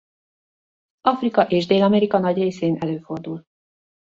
Afrika és Dél-Amerika nagy részén előfordul.